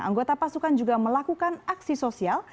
anggota pasukan juga melakukan aksi sosial